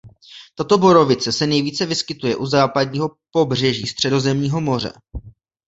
Tato borovice se nejvíce vyskytuje u západního pobřeží Středozemního moře.